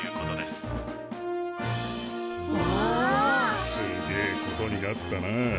すげえことになったな。